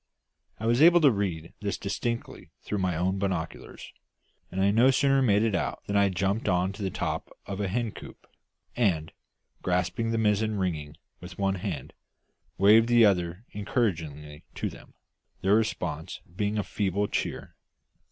I was able to read this distinctly through my own binoculars; and I no sooner made it out than I jumped on to the top of a hen coop, and, grasping the mizzen rigging with one hand, waved the other encouragingly to them, their response being a feeble cheer.